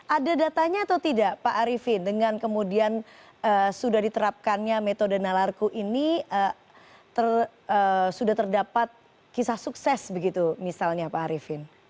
ada datanya atau tidak pak arifin dengan kemudian sudah diterapkannya metode nalarku ini sudah terdapat kisah sukses begitu misalnya pak arifin